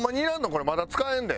これまだ使えんで。